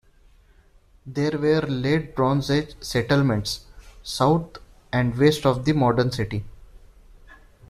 There were late Bronze Age settlements south and west of the modern city.